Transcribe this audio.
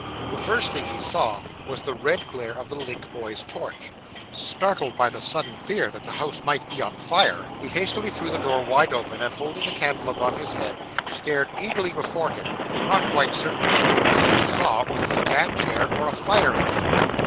The first thing he saw, was the red glare of the link boy's torch. Startled by the sudden fear that the house might be on fire, he hastily threw the door wide open, and holding the candle above his head, stared eagerly before him, not quite certain whether what he saw was a sedan chair or a fire engine.